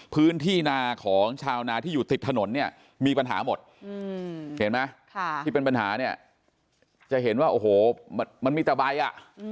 พื้นที่นาของชาวนาที่อยู่ติดถนนเนี่ยมีปัญหาหมดเห็นไหมที่เป็นปัญหาเนี่ยจะเห็นว่าโอ้โหมันมีแต่ใบอ่ะ